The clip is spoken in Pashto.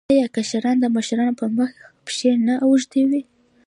آیا کشران د مشرانو په مخ کې پښې نه اوږدوي؟